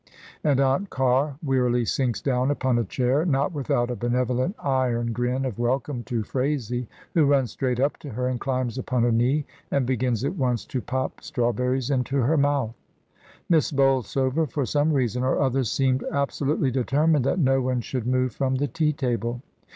And Aunt Car wearily sinks down upon a chair, not without a benevolent iron grin of welcome to Phraisie, who runs straight up to her and climbs upon her knee and begins at once to pop straw berries into her mouth. Miss Bolsover, for some reason or other, seemed absolutely determined that no one should move from the tea table.